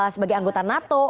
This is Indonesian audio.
sebagai anggota nato